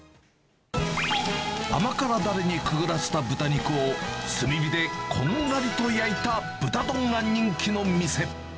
甘辛だれにくぐらせた豚肉を、炭火でこんがりと焼いた豚丼が人気の店。